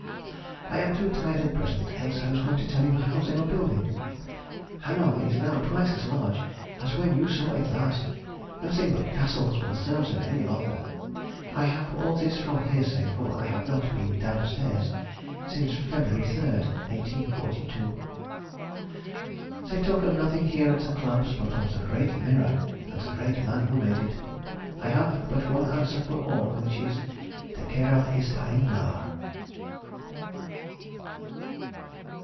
I am too tired at present, else I was going to tell you how they are building. Hanover is now twice as large as when you saw it last; nothing but castles will serve them any longer. I have all this from hearsay, for I have not been downstairs since February 3, 1842. They talk of nothing here at the clubs but of the great mirror and the great man who made it. I have but one answer for all, which is, "_Der Kerl ist ein Narr!